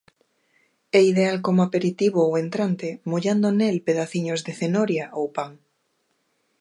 É ideal como aperitivo ou entrante mollando nel pedaciños de cenoria ou pan.